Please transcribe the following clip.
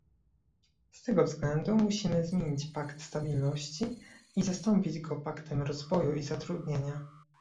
Z tego względu musimy zmienić pakt stabilności i zastąpić go paktem rozwoju i zatrudnienia